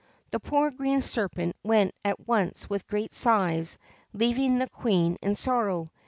The poor Green Serpent went at once with great sighs, leaving the Queen in sorrow.